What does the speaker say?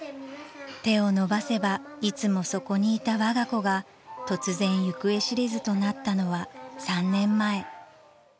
［手を伸ばせばいつもそこにいたわが子が突然行方知れずとなったのは３年前］